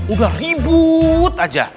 udah ribut aja